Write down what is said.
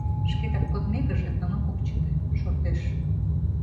Шкетак кодмекыже, Анук ок чыте — шортеш.